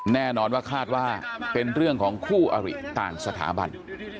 แน่นอนว่าคาดว่าเป็นเรื่องของคู่อริต่างสถาบัน